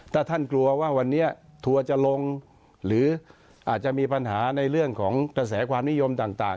ถ้าท่านกลัวว่าวันนี้ทัวร์จะลงหรืออาจจะมีปัญหาในเรื่องของกระแสความนิยมต่าง